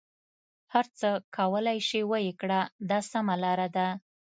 هر څه کولای شې ویې کړه دا سمه لاره ده.